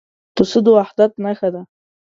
پسه د وحدت نښه ده.